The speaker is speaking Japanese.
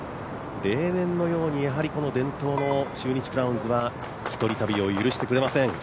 例年のように伝統の中日クラウンズは１人旅を許してくれません。